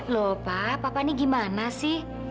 loh pa papa ini gimana sih